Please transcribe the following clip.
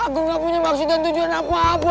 aku gak punya maksud dan tujuan apa apa